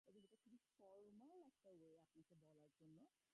তিনি আরও আটটি চলচ্চিত্রে কাজ করেন।